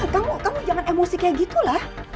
kamu kamu jangan emosi kayak gitulah